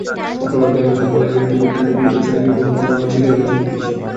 শুক্রবার গাইবান্ধার পলাশবাড়ীতে ভোটকেন্দ্র পরিদর্শনে গিয়ে ভয়ংকর হামলার শিকার হয়েছে পুলিশ।